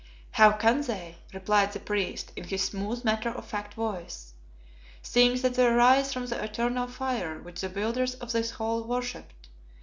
"How can they," replied the priest, in his smooth, matter of fact voice, "seeing that they rise from the eternal fire which the builders of this hall worshipped?